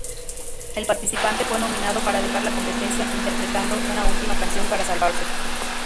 El participante fue nominado para dejar la competencia, interpretando una última canción para salvarse.